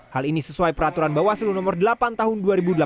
hal ini sesuai peraturan bawaslu nomor delapan tahun dua ribu delapan belas